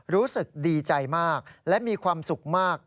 รู้สึกดีใจมากและมีความสุขมาก